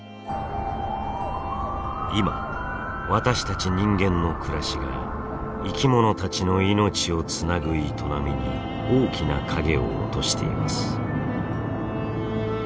今私たち人間の暮らしが生きものたちの命をつなぐ営みに大きな影を落としています。